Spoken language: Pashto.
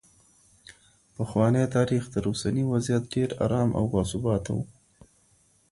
پخوانی تاریخ تر اوسني وضعیت ډېر ارام او باثباته و.